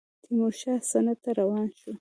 تیمورشاه سند ته روان شو.